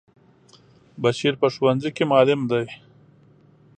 بشیر په ښونځی کی معلم دی.